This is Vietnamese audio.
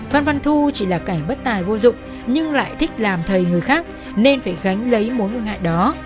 phan phan thu chỉ là cảnh bất tài vô dụng nhưng lại thích làm thầy người khác nên phải gánh lấy mối nguy hại đó